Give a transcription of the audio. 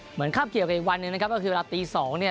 คาบเกี่ยวกับอีกวันหนึ่งนะครับก็คือเวลาตี๒เนี่ย